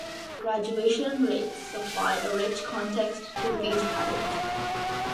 Graduation rates supply a rich context to these patterns.